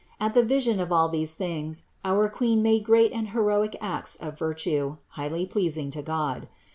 At the vision of all these things our Queen made great and heroic acts of virtue, highly pleasing to God.